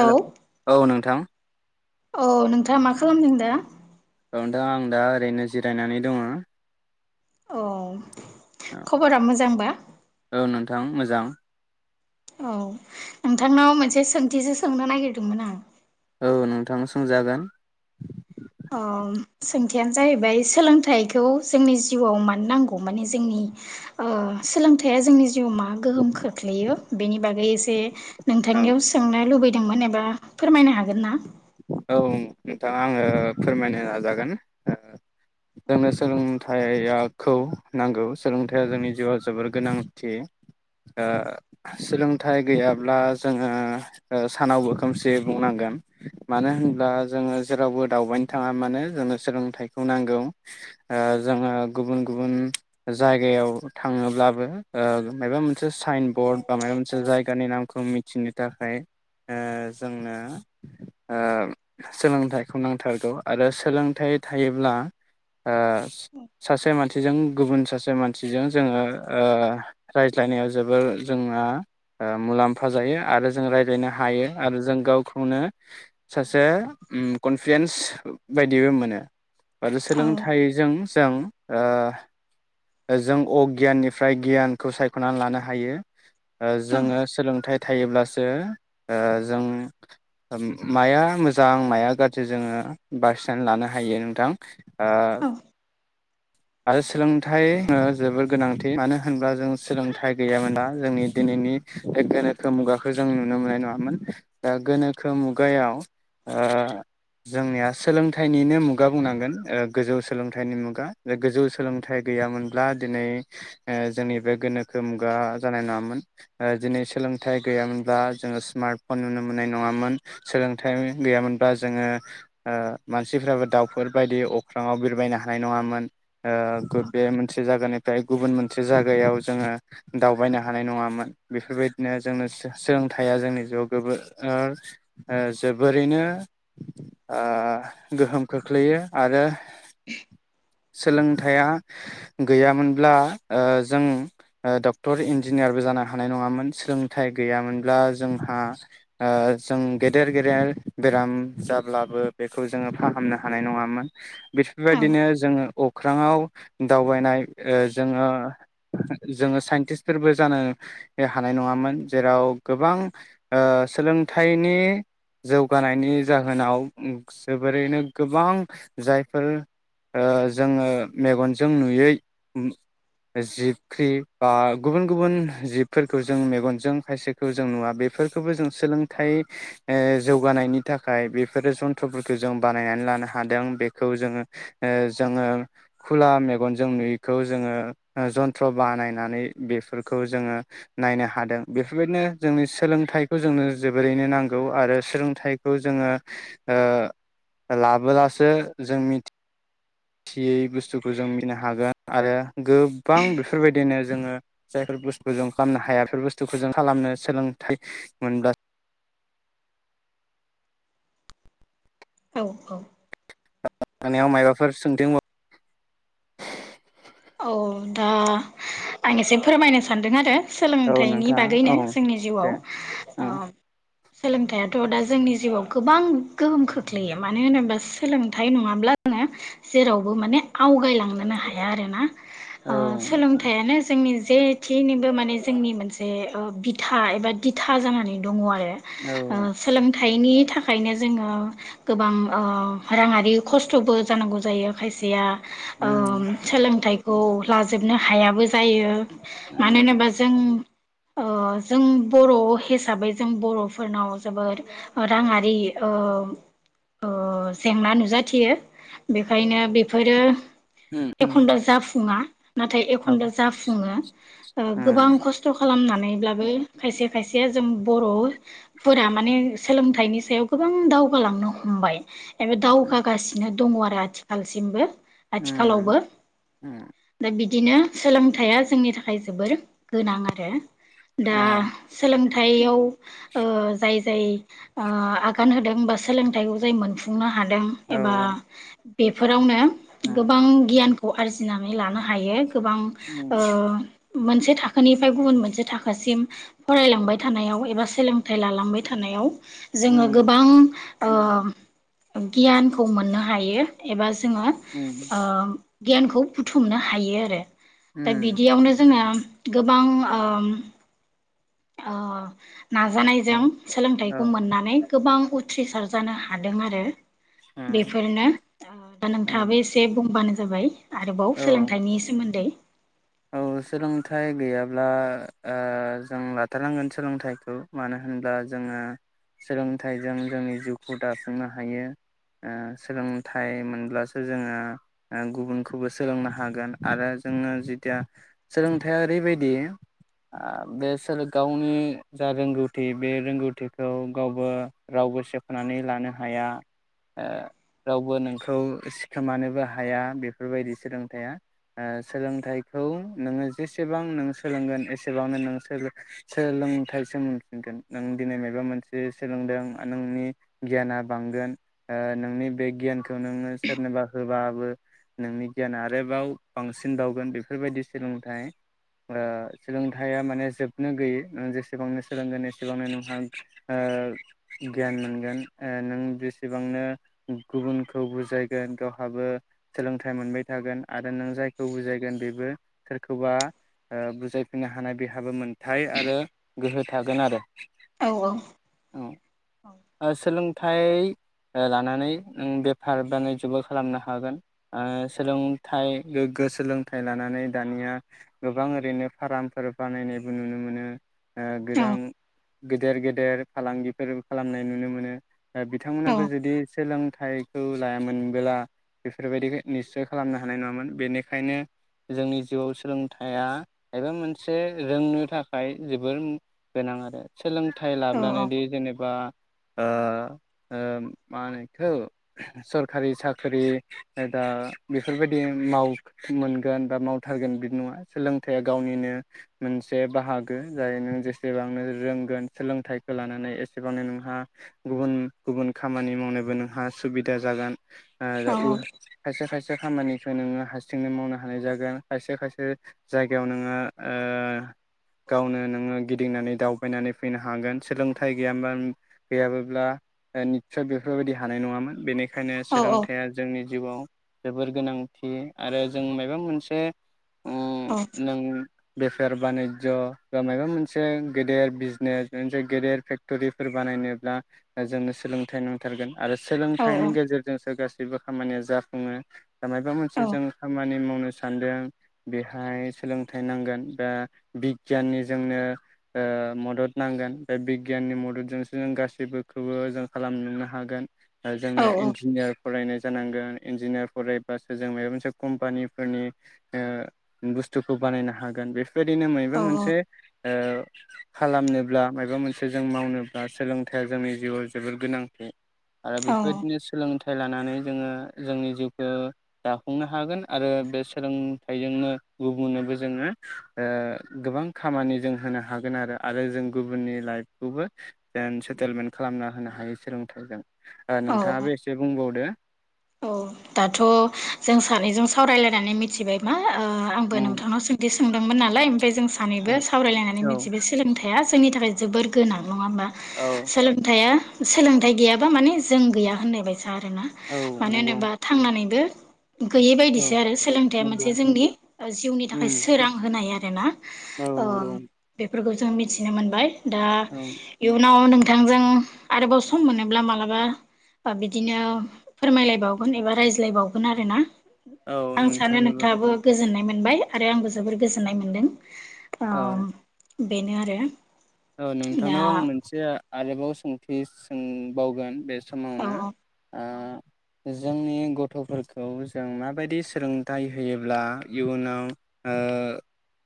Hello औ नोंथां। औ नोंथाङा मा खालामदों दा औ नोंथां आं दा ओरैनो जिरायनानै दङ औ खबरा मोजांबा। औ नोंथां मोजां। औ नोंथांनाव मोनसे सोंथिसो सोंनो नागिरदोंमोन आं। औ नोंथां सोंजागोन। ओ सोंथियानो जाहैबाय सोलोंथाइखौ जोंनि जिउआव मानो नांगौ माने जोंनि ओ सोलोंथाइया जोंनि जिउआव मा गोहोम खोख्लैयो बेनि बागै एसे। औ नोंथांनियाव सोंनो लुबै दोंमोन एबा फोरमायनो हागोन ना। औ नोंथाङा आङो फोरमायनो नाजागोन ओ जोंनो सोलोंथाइयाखौ नांगौ सोलोंथाइया जोंनि जिउआव जोबोर गोनांथि ओ सोलोंथाइ गैयाब्ला जोङो सानावबो खोमसि बुंनांगोन। मानो होनब्ला जोङो जेरावबो दावबायनो थाङा मानो जोंनो सोलोंथाइखौ नांगौ ओ जोङो गुबुन गुबुन जायगायाव थाङोब्लाबो ओ माबा मोनसे साइन बर्ड बा माबा मोनसे जायगानि नामखौ मिथिनो थाखाय ओ जोंनो ओ सोलोंथाइखौ नांथारगौ आरो सोलोंथाइ थायोब्ला ओ सासे मानसिजों गुबुन सासे मानसिजों जोङो ओ रायज्लायनायाव जोबोर जोंहा मुलाम्फा जायो आरो जों रायज्लायनो हायो आरो जों गावखौनो सासे ओ कनफिडेन्स बायदिबो मोनो। आरो औ सोलोंथाइजों जों ओ जों अगियाननिफ्राय गियानखौ सायखनानै लानो हायो। औ जोङो सोलोंथाइ थायोब्लासो ओ जों उम। माया मोजां माया गाज्रि जोङो बासिनानै लानो हायो नोंथां। ओ। आरो सोलोंथाइ जोबोर गोनांथि मानो होनोब्ला जों सोलोंथाइ गैयामोना जोंनि दिनैनि बे गोनोखो मुगाखौ जों नुनो मोननाय नङामोन दा गोनोखो मुगायाव ओ जोंनिया सोलोंथाइनिनो मुगा बुंनांगोन गोजौ सोलोंथाइनि मुगा गोजौ सोलोंथाइ गैयामोनब्ला दिनै जोंनि बे गोनोखो मुगा जानाय नङामोन दिनै सोलोंथाइ गैयामोनब्ला जोङो स्मार्ट फन नुनो मोननाय नङामोन सोलोंथाइ गैयामोनब्ला जोङो ओ मानसिफ्राबो दाउफोरबायायदि अख्राङाव बिरबायनो हानाय नङामोन ओ गुद बे मोनसे जायगानिफ्राय गुबुन मोनसे जायगायाव जोङो दावबायनो हानाय नङामोन बेफोरबायदिनो जोंनो सो-सोलोंथाइया जोंनि जिउआव गो ओ जोबोरैनो ओ गोहोम खोख्लैयो आरो [unintelligible] सोलोंथाइया गैयामोनब्ला ओ जों डक्टर इन्जिनियारबो जानो हानाय नङामोन सोलोंथाइ गैयामोनब्ला जोंहा जों गेदेर गेदेर बेराम जाब्लाबो बेखौ जोङो फाहामनो हानाय नङामोन बेफोरबायदिनो जोङो अख्राङाव दावबायनाय जोङो जोङो साइन्टिस्टफोरबो जानो हानाय नङामोन जेराव गोबां ओ सोलोंथाइनि जौगानायनि जाहोनाव जोबोरैनो गोबां जायफोर ओ जोङो मेगनजों नुयै जिबख्रि बा गुबुन गुबुन जिबफोरखौ जों मेगनजों खायसेखौ जों नुवा बे बेफोरखौबो जों सोलोंथाइ ओ जौगानायनि थाखाय बेफोरो जन्थ्रफोरखौ जों बाहानायनानै लानो हादों बेखौ जोङो ओ जोङो खुला मेगनजों नुयैखौ जोङो जन्थ्र बानायनानै बेफोरखौ जोङो नायनो हादों बेफोरबायदिनो जोंनि सोलोंथाइखौ जोंनो जोबोरैनो नांगौ आरो सोलोंथाइखौ जोङो ओ लाबोलासो जों मिथि थियै बुस्थुखौ जों मिनो हागोन आरो गोबां बेफोरबायदिनो जोङो जायफोर बुस्थु जों खालामनो हाया बेफोर बुस्थुखौ जों खालामनो सोलोंथाइ मोनब्ला औ औ। माबाफोर सोंथि [inaudible] औ दा आं एसे फोरमायनो सानदों आरो औ सोलोंथाइनि नोंथाङा बागैनो औ जोंनि दे जिउआव अ उम सोलोंथाइथ दा जोंनि जिउआव गोबां गोहोम खोख्लैयो मानो होनोबा सोलोंथाइ नङाब्ला जोङो जेरावबो माने आवगायलांनोनो हाया आरो ना ओ औ नोंथां सोलोंथाइयानो जोंनि जे थिनोबो माने जोंनि मोनसे बिथा एबा दिथा जानानै दङ आरो। औ ओ सोलों फिथाइनि थाखायनो जोङो गोबां ओ राङारि खस्थबो जानांगौ जायो खायसेया। औ उम सोलोंथाइ, औ लाजोबनो हायाबो जायो, मानो होनोबा जों ओ जों बर' हिसाबै जों बर'फोरनाव जोबोर राङारि ओ ओ जेंना नुजाथियो बेखायनो बेफोरो, उम उम एखमब्ला जाफु, संहा नाथाय औ एखनबा जाफुङो उम गोबां खस्थ खालामना ब्लाबो खायसे खायसेया जों बर'फोरा माने सोलोंथाइनि सायाव गोबां दावगालांनो हमबाय। एबा दावगा गासिनो, दङ आरो आथिखालसिमबो, आथिखालावबो उम उम दा बिदिनो सोलोंथाइया जोंनि थाखाय जोबोर गोनां आरो दा औ सोलों थायाव ओ जाय जाय ओ आगान होदों बा सोलोंथाइखौ जाय मोनफुंनो हा हादों औ एबा बेफोरावनो उम गोबां गियान अ आरजिनां नानै लानो हायो, गोबां ओ उम मोनसे थाखोनिफ्राय गुबुन मोनसे थाखोसिम फरायलांबाय थानायाव एबा सोलोंथाइ लालांबाय थानायाव, जोङो गोबां, ओम गियानखौ मोननो हायो एबा ज जोङो उम ओम गियानखौ, बुथुमनो हायो आरो दा उम बिदियावनो जोंहा गोबां ओ अ उम नाजानायजों औ सोलोंथाइखौ मोननानै, गोबां उथ्रिसार जानो हादों आरो औ उम बेफोरनो दा नोंथाङाबो उम एसे बुंबानो जाबाय आरोबाव औ सोलोंथाइनि सोमोन्दै औ सोलोंथाइ गैयाब्ला ओ जों लाथारनांगोन सोलोंथाइखौ मानो होनब्ला जोङो सोलोंथाइजों जोंनि जिउखौ दाफुंनो हायो ओ सोलोंथाइ मोनब्लासो जोङो ओ गुबुनखौबो सोलोंनो हागोन आरो जोङो जि थिया सोलोंथाइया ओरैबायदि ओ बेसोर गावनि जा रोंगौथि बे रोंगौथिखौ गावबो रावबो सेखनानै लानो हाया ओ रावबो नोंखौ सिखोमानोबो हाया बेफोरबायदि सोलोंथाइया ओ सोलोंथाइ खौ नोङो जेसेबां नों सोलोंगोन एसेबांनो नों सोलो सोलोंथाइसो मोनफिनगोन नों दिनै माबा मोनसे सोलोंदों नोंनि गियाना बांगोन ओ नोंनि बे गियानखौ नोङो सोरनोबा होबाबो नोंनि गियाना आरोबाव बांसिन बावगोन बे बेफोरबायदि सोलोंथाइ ओ सोलोंथाइया माने जोबनो गैयै ओ जेसेबांनो सोलोंगोन एसेबांनो नोंहा ओ गियान मोनगोन ओ नों जेसेबांनो गुबुनखौ बुजायगोन गावहाबो सोलोंथाइ मोनबाय थागोन। आरो नों जायखौ बुजायगोन बे बो सोरखौबा ओ बुजायफिननो हानाय बेहाबो मोनथाय आरो गोहो थागोन आरो औऔ ओ सोलों थाइ लानानै ओ बेफार बानाय जुबो खालामनो हागोन ओ सोलोंथाइ गोग्गो सोलोंथाइ लानानै दानिया गोबां ओरैनो फारामफोर बानायनायबो नुनो मोनो ओ औ गोदां गेदेर गेदेर फालांगिफोरबो खालामनाय नुनो मोनो। ओ बिथांमोनाबो जुदि सोलों थायखौ लायामोनबोला बेफोरबायदिखो निस्य खालामनो हानाय नङामोन बेनिखायनो जोंनि जिउआव सोलोंथाइया एबा मोनसे रोंनो थाखाय जोबोर गोनां आरो सोलोंथाइ औ लाब्लानो दि जेनेबा आ ओ ओम मा होनो एखौ सरखारि साख्रि दा बेफोरबायदि माव मोनगोन बा मावथारगोन बिदि नङा सोलोंथाइया गावनिनो मोनसे बाहागो जाय नों जेसेबांनो रोंगोन सोलोंथाइखौ लानानै एस सेबांनो नोंहा गुबुन गुबुन खामानि मावनोबो नोंहा सुबिदा जागोन। आरो औ उर खायसे खायसे से खामानिखौ नोङो हारसिंनो मावनो हानाय जागोन खायसे खायसे जायगायाव नोङो ओ गावनो नोङो गिदिंनानै दावबायनानै फैनो हागोन सोलोंथाइ गैयामोनबा नों गैयाबोब्ला ओ निसय बेफोरबायदि हानाय नङामोन बेनिख खायनो औ सोलोंथाइया जोंनि जिउआव जोबोर गोनांथि आरो जों मायबा मोनसे ओम नों बेफार बानिजज बा मायबा मोनसे गेदेर बिजनेस मोनसे गेदेर फेक क्टरिफोर बानायनोब्ला जोंनो सोलोंथाइ नांथारगोन। आरो औ सोलोंथाइनि गेजेरजोंसो गासै जेबो खामानिया जाफुङो मायबा मोनसे जों खामानि मावनो सानदों बेहाय सोलोंथाइ नांगोन बा बिगियाननि जोंनो ओ मदद नांगोन बे बि गियाननि मददजोंसो जों गासैबोखौबो जों खालामनुनो हागोन औ जोङो औ इन्जिनियार फरायनाय जानांगोन इन्जिनियार फरायबासो जों मायबा मोनसे कम्पानिफोरनि ओ बुस्थुखौ बानायनो हागोन बे बायदिनो मायबा मोनसे ओ खालामनोब्ला मायबा मोनसे जों मावनोब्ला सोलोंथाइया जोंनि जिउआव जोबोर गोनांथि। आरो औ बेफोरबायदिनो सोलोंथाइ थाइ लानानै जोङो जोंनि जिउखौ दाफुंनो हागोन आरो बे सोलोंथाइजोंनो गुबुननोबो जोङो ओ गोबां खामानि जों होनो हागोन आरो आरो जों गुबुननि लाइफ खौबो जेन सेटेलमेन्ट खालामना होनो हायो सोलोंथाइजों। ओ औ नोंथाङाबो एसे बुंबावदो। औ दाथ जों सानैजों सावरायलायनानै मिथिबाय मा ओ आंबो उम नोंथांनाव सोंथि सो सोंदोंमोन नालाय जों सानैबो उम सावरायलायनानै औ मिथिबाय सोलोंथाइया जोंनि थाखाय जोबोर गोनां। नङा होमबा औ सोलोंथाइया सोलोंथाइ गैयाबा माने जों गैया होननाय बाय सा आरोना। औ मानो नंगौ होनोबा थांना नैबो गैयै औ बायदिसो आरो सोलोंथाइया नंगौ मोनसे जोंनि ओ जिउनि थाखाय उम सोरां होनाय आरो [unintelligible] औ नंगौ फोरखौ जों मिथिनो मोनबाय दा औ इयुनाव नों थांजों आरोबाव सम मोनोब्ला मालाबा ओ बिदिनो फोरमायलायबावगोन एबा रायज्लायबावगोन आरो ना औ आं सानो नोंथांनोबो नोंथाङाबो गोजोननाय मोन मोनबाय आरो आंबो जोबोर गोजोननाय मोनदों। औ अम बेनो आरो औ नोंथांनाव आं मोनसे आरोबाव सों थि सोंबावगोन बेस औ समावनो आ औ जोंनि गथफोरखौ जों माबायदि सोलोंथाइ होयोब्ला इयुनाव ओ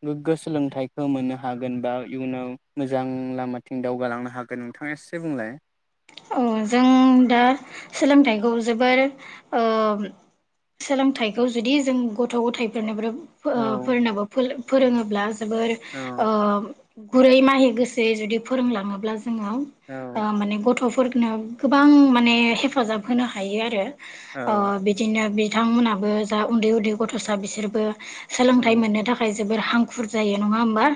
गोग्गो सोलोंथाइखौ मोननो हागोन बा इयुनाव मोजां लामाथिं दावगालांनो हागोन नोंथाङा एसे बुंलाय? औ जों दा सोलोंथाइखौ जोबोर ओ सोलोंथाइखौ जुदि जों गथ गथायाइफोरनिब्रोब औ ओ फोरनोबो फोल फोरोङोब्ला जो जोबोर औ ओम गुरै माहि गोसोयै जुदि फोरोंलाङोब्ला जो जोंनाव औ ओ माने गथ' फोरनो गोबां माने हेफाजाब होनो हायो आरो औ अ बिदिनो बि थांमोनहाबो जा उन्दै उन्दै गथसा बिसोरबो सोलोंथाइ औ मोननो थाखाय जो जोबोर हांखुर जायो नङा ओमबा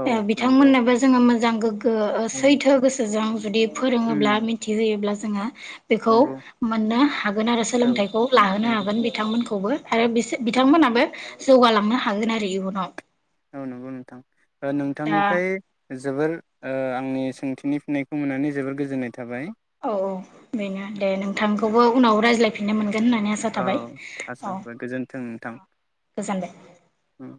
औ ए नंगौ बिथांमोननोबो जोङो मोजा जां गोग गो ओ उम सैथो गोसोजों जुदि फोरोङोब्ला थि होयोब्ला जोंहा बेखौ नंगौ मोननो हागोन आरो औ सोलोंथाइखौ लाहोनो नंगौ हागोन बिथांमोनखौबो। आरो बिसोर बिथांमोनाबो जौगालांनो हागोन आरो इयुनाव। औ नंगौ नोंथां ओ दा नोंथांनिफ्राय जोबोर ओ आंनि सोंथिनि फिननायखौ मोननानै जोबोर गोजोननाय थाबाय औ औ बेनो दे नोंथांखौबो उनाव रायज्लाय फिननो मोनगो गोन होननानै आसा औ थाबाय आसा औ गोजोन्थों नोंथां औ गोजोनबाय। उम